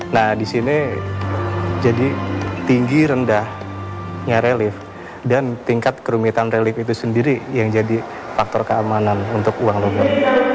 nah di sini jadi tinggi rendahnya relief dan tingkat kerumitan relift itu sendiri yang jadi faktor keamanan untuk uang lubang